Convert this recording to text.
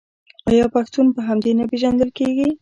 آیا پښتون په همدې نه پیژندل کیږي؟